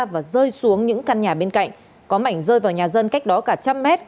và rơi xuống những căn nhà bên cạnh có mảnh rơi vào nhà dân cách đó cả trăm mét